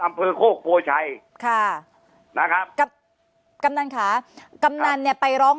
อำเภอโคกโพชัยค่ะนะครับกับกำนันค่ะกำนันเนี่ยไปร้อง